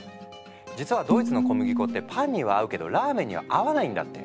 実はドイツの小麦粉ってパンには合うけどラーメンには合わないんだって。